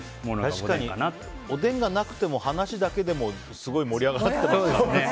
確かに、おでんがなくても話だけでもすごい盛り上がったしね。